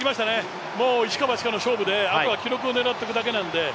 一か八かの勝負で、あとは記録を狙っていくだけなんで。